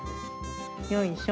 よいしょ。